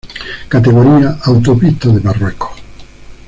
Categoría: Autopistas de Marruecos